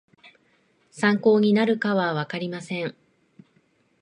参考になるかはわかりません